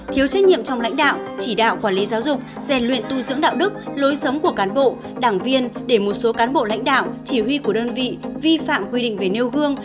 thiếu trách nhiệm trong lãnh đạo chỉ đạo quản lý giáo dục rèn luyện tu dưỡng đạo đức lối sống của cán bộ đảng viên để một số cán bộ lãnh đạo chỉ huy của đơn vị vi phạm quy định về nêu gương